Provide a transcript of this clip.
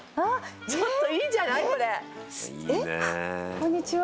こんにちは。